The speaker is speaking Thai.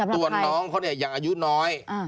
ตัวน้องเขาเนี่ยยังอายุน้อย